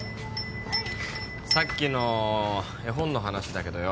さっきの絵本の話だけどよ